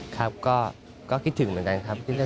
ครับก็คิดถึงเหมือนกันครับ